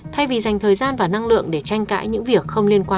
thay vì dành thời gian và năng lượng để tranh cãi những việc không liên quan